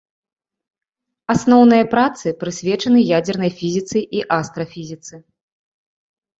Асноўныя працы прысвечаны ядзернай фізіцы і астрафізіцы.